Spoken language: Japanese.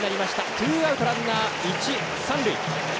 ツーアウト、ランナー一、三塁。